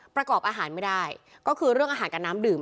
ประกอบอาหารไม่ได้ก็คือเรื่องอาหารกับน้ำดื่ม